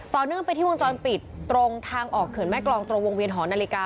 เนื่องไปที่วงจรปิดตรงทางออกเขื่อนแม่กรองตรงวงเวียนหอนาฬิกา